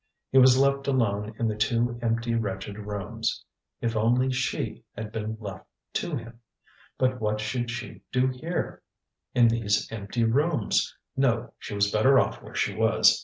He was left alone in the two empty, wretched rooms! If only she had been left to him! But what should she do here, in these empty rooms? No, she was better off where she was!